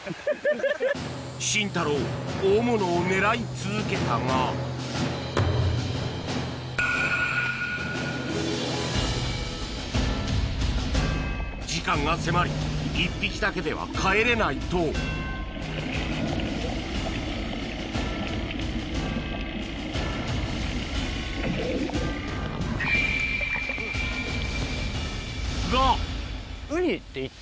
シンタロー大物を狙い続けたが時間が迫り１匹だけでは帰れないとが！